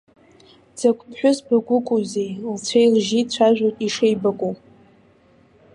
Дзакә ԥҳәызба гәыкузеи, лцәеи-лжьи цәажәоит ишеибакәу.